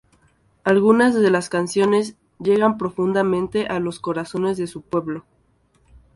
Algunas de las canciones llegan profundamente a los corazones de su pueblo.